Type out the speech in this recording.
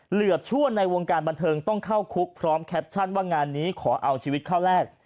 เหลือบชั่วในวงการบันเทิงต้องเข้าคุกพร้อมแคปชั่นว่างานนี้ขอเอาชีวิตเข้าแรก